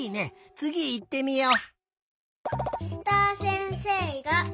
つぎいってみよう。